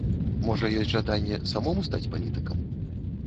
Можа ёсць жаданне самому стаць палітыкам?